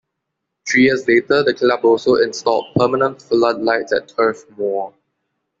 Three years later, the club also installed permanent floodlights at Turf Moor.